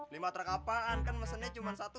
lima truk apaan kan mesennya cuma satu truk